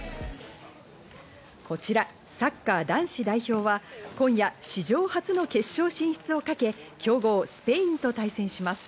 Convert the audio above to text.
こちらサッカー男子代表は、今夜史上初の決勝進出をかけ強豪スペインと対戦します。